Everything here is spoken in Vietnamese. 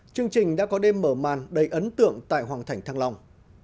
chương trình đã có đêm mở màn đầy ấn tượng tại hoàng thành thăng long